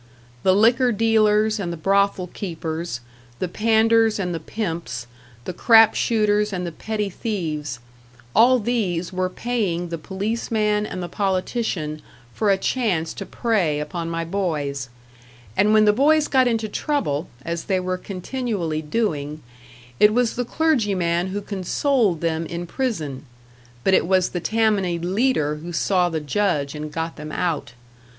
The liquor dealers and the brothel keepers, the panders and the pimps, the crap shooters and the petty thieves all these were paying the policeman and the politician for a chance to prey upon my boys; and when the boys got into trouble, as they were continually doing, it was the clergyman who consoled them in prison but it was the Tammany leader who saw the judge and got them out.